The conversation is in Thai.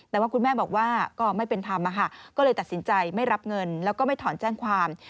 แต่ว่าคุณแม่บอกว่าก็ไม่เป็นธรรมก็เลยตัดสินใจไม่รับเงินแล้วก็ไม่ถอนแจ้งความ